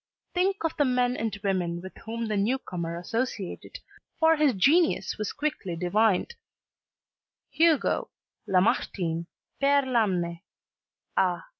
Think of the men and women with whom the new comer associated for his genius was quickly divined: Hugo, Lamartine, Pere Lamenais, ah!